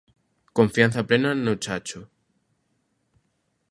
Confianza plena no Chacho.